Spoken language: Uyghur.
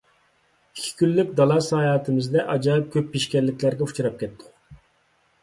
ئىككى كۈنلۈك دالا ساياھىتىمىزدە ئاجايىپ كۆپ پېشكەللىكلەرگە ئۇچراپ كەتتۇق.